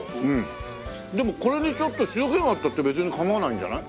でもこれでちょっと塩気があったって別に構わないんじゃない？